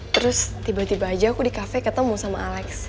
terus tiba tiba aja aku di kafe ketemu sama alex